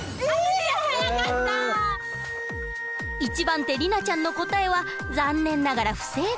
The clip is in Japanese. １番手莉奈ちゃんの答えは残念ながら不正解。